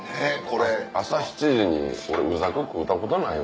朝７時に俺うざく食うたことないよ。